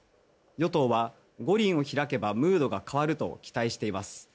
与党は五輪を開けばムードが変わると期待しています。